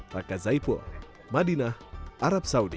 raka zaipul madinah arab saudi